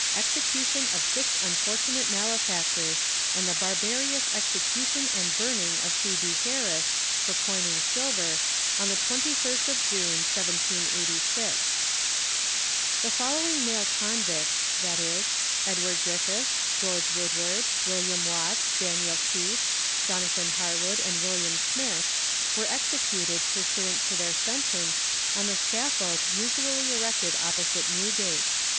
Execution of Six Unfortunate Malefactors, and the Barbarious Execution and Burning of Phœbe Harris, for Coining Silver, on the 21st of June, 1786. The following male convicts, viz., Edward Griffiths, George Woodward, William Watts, Daniel Keefe, Jonathan Harwood, and William Smith, were executed pursuant to their sentence, on the scaffold usually erected opposite Newgate.